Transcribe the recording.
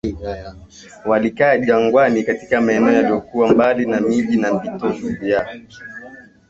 Walikaa jangwani katika maeneo yaliyokuwa mbali na miji na vitovu vya